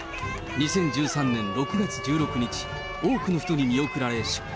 ２０１３年６月１６日、多くの人に見送られ、出港。